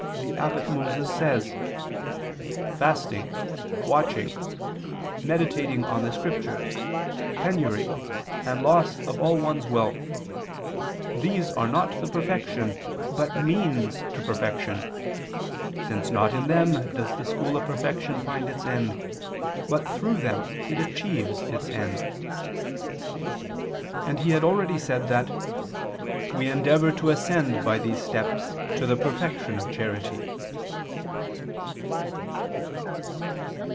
vii) the abbot Moses says: "Fastings, watchings, meditating on the Scriptures, penury and loss of all one's wealth, these are not perfection but means to perfection, since not in them does the school of perfection find its end, but through them it achieves its end," and he had already said that "we endeavor to ascend by these steps to the perfection of charity."